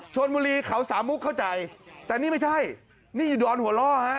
ชนบุรีเขาสามุกเข้าใจแต่นี่ไม่ใช่นี่อยู่ดอนหัวล่อฮะ